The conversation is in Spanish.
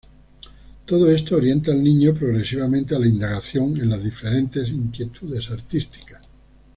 Todo esto orienta al niño progresivamente a la indagación en las diferentes inquietudes artísticas.